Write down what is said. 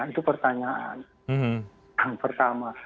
itu pertanyaan yang pertama